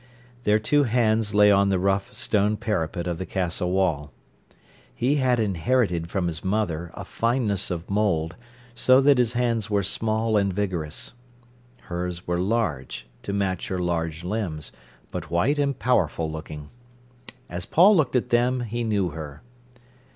Their two hands lay on the rough stone parapet of the Castle wall. He had inherited from his mother a fineness of mould, so that his hands were small and vigorous. Hers were large, to match her large limbs, but white and powerful looking. As Paul looked at them he knew her.